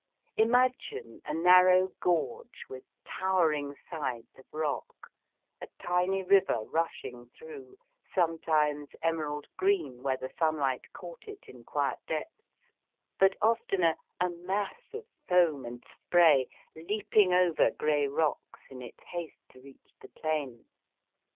Imagine a narrow gorge with towering sides of rock, a tiny river rushing through, sometimes emerald green where the sunlight caught it in quiet depths, but oftener a mass of foam and spray, leaping over grey rocks in its haste to reach the plain.